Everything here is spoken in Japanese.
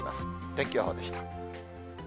天気予報でした。